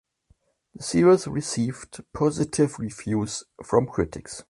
The series receive positive reviews from critics.